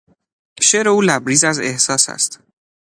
شعر او لبریز از احساس است.